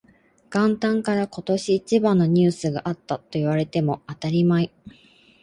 元旦から今年一番のニュースがあったと言われても当たり前